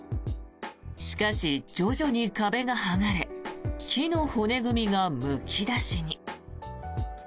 しかし、徐々に壁が剥がれ木の骨組みがむき出しに。